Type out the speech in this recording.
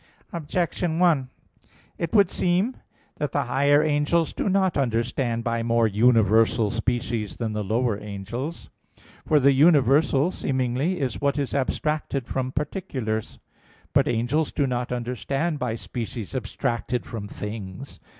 Objection 1: It would seem that the higher angels do not understand by more universal species than the lower angels. For the universal, seemingly, is what is abstracted from particulars. But angels do not understand by species abstracted from things.